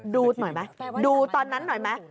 ดูหน่อยไหมดูตอนนั้นหน่อยไหม